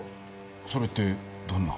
それってどんな？